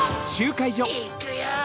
いっくよ！